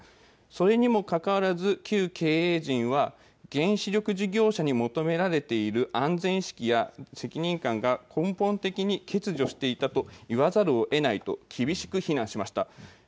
それにもかかわらず、旧経営陣は、原子力事業者に求められている安全意識や責任感が根本的に欠如していたと言わざるをえないと厳しく非難しました。